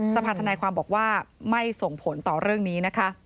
สภาธนายความบอกว่าไม่ส่งผลต่อเรื่องนี้นะคะ